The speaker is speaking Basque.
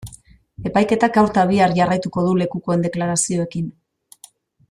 Epaiketak gaur eta bihar jarraituko du lekukoen deklarazioekin.